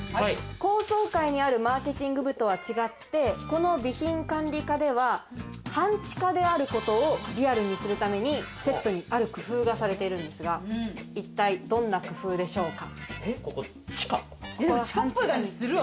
高層階にあるマーケティング部とは違って、この備品管理課では半地下であることをリアルにするために、セットにある工夫がされているんですが、一体どんな工夫でしょうか？